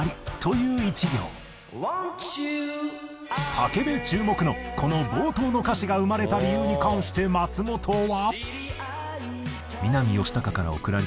武部注目のこの冒頭の歌詞が生まれた理由に関して松本は。